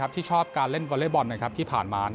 ที่ชอบการเล่นวอเล็กบอลที่ผ่านมา